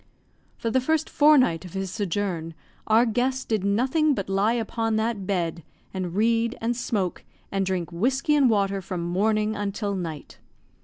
For the first fornight of his sojourn, our guest did nothing but lie upon that bed, and read, and smoke, and drink whiskey and water from morning until night.